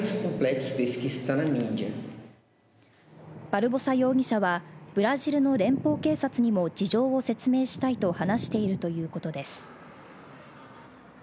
バルボサ容疑者はブラジルの連邦警察にも事情を説明したいと話しているということです。